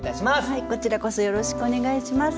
はいこちらこそよろしくお願いします。